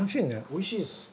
おいしいです。